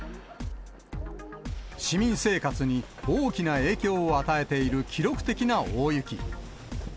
市民生活に大きな影響を与えている記録的な大雪。